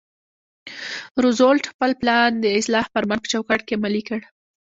روزولټ خپل پلان د اصلاح فرمان په چوکاټ کې عملي کړ.